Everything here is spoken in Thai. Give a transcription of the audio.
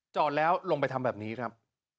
จอดแล้วลงไปทำแบบนี้ครับ